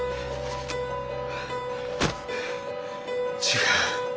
違う。